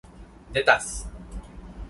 レタス